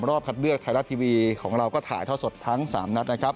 รอบคัดเลือกไทยรัฐทีวีของเราก็ถ่ายท่อสดทั้ง๓นัดนะครับ